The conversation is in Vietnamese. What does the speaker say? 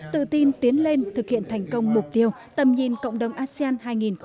tự tin tiến lên thực hiện thành công mục tiêu tầm nhìn cộng đồng asean hai nghìn hai mươi năm